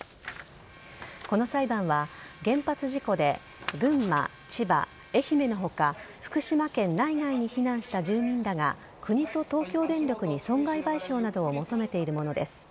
この裁判は原発事故で群馬、千葉、愛媛の他福島県内外に避難した住民らが国と東京電力に損害賠償などを求めているものです。